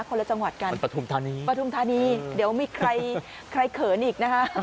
คนละจังหวัดกันปฐุมธานีปฐุมธานีเดี๋ยวมีใครใครเขินอีกนะคะ